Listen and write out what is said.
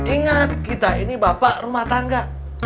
ingat kita ini bapak rumah tangga